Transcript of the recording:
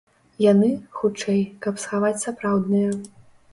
Яны, хутчэй, каб схаваць сапраўдныя.